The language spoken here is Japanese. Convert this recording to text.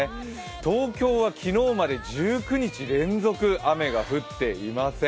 東京は昨日まで１９日連続雨が降っていません。